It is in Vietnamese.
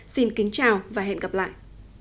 xin kính chào và hẹn gặp lại